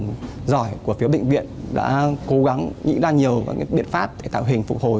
thì thuốc rất là giỏi của phía bệnh viện đã cố gắng nghĩ ra nhiều cái biện pháp để tạo hình phục hồi